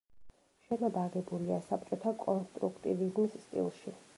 შენობა აგებულია საბჭოთა კონსტრუქტივიზმის სტილში.